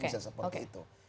gak bisa seperti itu